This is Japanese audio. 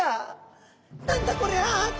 「何だ？こりゃ」って。